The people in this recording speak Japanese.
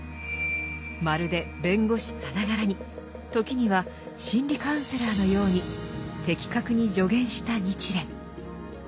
まるで弁護士さながらに時には心理カウンセラーのように的確に助言した日蓮。